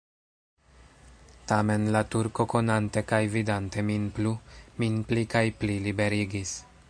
Tamen, la Turko konante kaj vidante min plu, min pli kaj pli liberigis.